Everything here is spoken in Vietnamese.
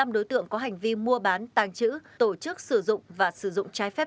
năm đối tượng có hành vi mua bán tàng trữ tổ chức sử dụng và sử dụng trái phép